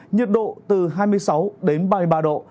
nhiệt độ từ hai mươi sáu đến ba mươi ba độ